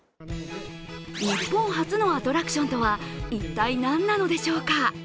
日本初のアトラクションとは一体、何なのでしょうか。